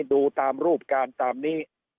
ดูตามรูปการณ์ตามนี้